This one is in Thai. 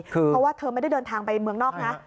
เพราะว่าเธอไม่ได้เดินทางไปเมืองนอกนะ